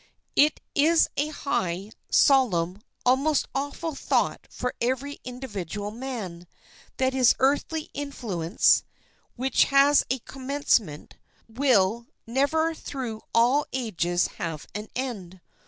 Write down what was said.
It is a high, solemn, almost awful thought for every individual man, that his earthly influence, which has a commencement, will never through all ages have an end!